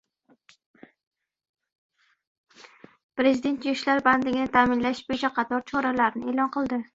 Prezident yoshlar bandligini ta’minlash bo‘yicha qator choralarni e’lon qildi